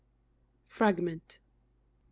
FRAGMENT. I.